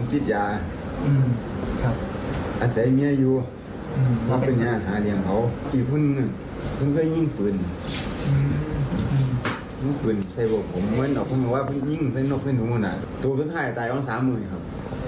ตัวกวานเขาเบื่อแหละมันถิ่มที่หน้าบ้านผมครับ